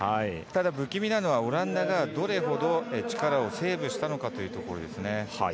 ただ、不気味なのはオランダがどれほど力をセーブしたのかというところです。